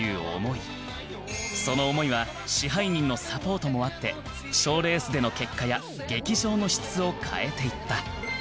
その思いは支配人のサポートもあって賞レースでの結果や劇場の質を変えていった